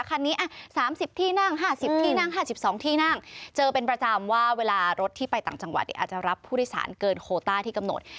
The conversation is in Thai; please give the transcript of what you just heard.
คันนี้๓๐ที่นั่ง๕๐ที่นั่ง๕๒ที่นั่งเจอเป็นประจำว่าเวลารถที่ไปต่างจังหวัดอาจจะรับผู้โดยสารเกินโคต้าที่กำหนด